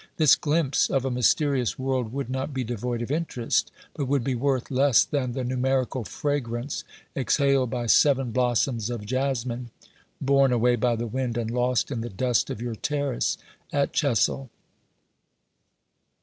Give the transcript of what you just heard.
This glimpse of a mysterious world would not be devoid of interest, but would be worth less than the numerical fragrance exhaled by seven blossoms of jasmine, borne away by the wind and lost in the dust of your terrace at Chessel.